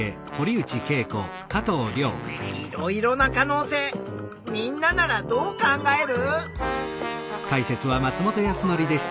いろいろな可能性みんなならどう考える？